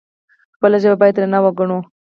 خپله ژبه باید درنه وګڼو.